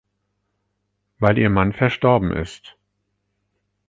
Weil ihr Mann verstorben ist.